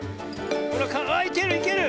ほらあっいけるいける！